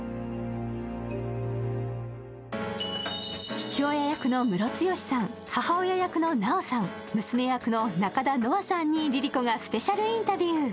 父親役のムロツヨシさん、母親役の奈緒さん、娘役の中田乃愛さんにＬｉＬｉＣｏがスペシャルインタビュー。